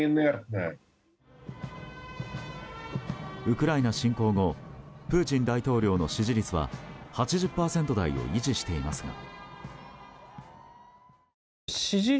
ウクライナ侵攻後プーチン大統領の支持率は８０％台を維持していますが。